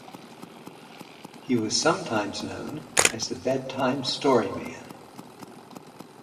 He was sometimes known as the Bedtime Story-Man.